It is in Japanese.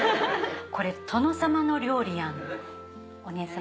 これ殿様の料理やん。